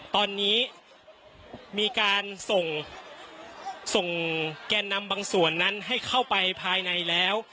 ตอนนี้มีการส่งส่งแกนนำบางส่วนนั้นให้เข้าไปภายในแล้ว